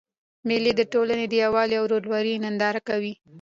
مېلې د ټولني د یووالي او ورورولۍ ننداره کوي.